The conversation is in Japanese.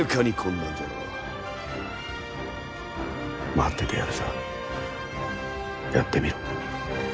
待っててやるさやってみろ。